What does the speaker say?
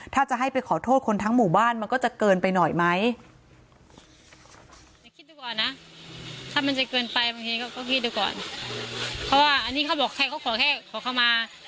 ถ้าจะให้ไปขอโทษคนทั้งหมู่บ้านมันก็จะเกินไปหน่อยไหม